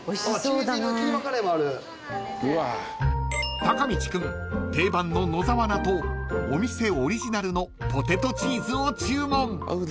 ［たかみち君定番の野沢菜とお店オリジナルのポテトチーズを注文］